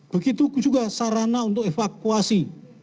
begitu juga sarana untuk evakuasi